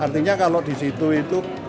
artinya kalau disitu itu